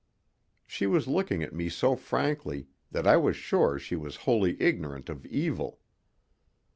She was looking at me so frankly that I was sure she was wholly ignorant of evil.